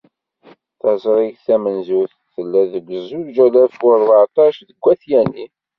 Taẓrigt tamenzut, tella deg zuǧ alaf u rbeεṭac deg At Yanni.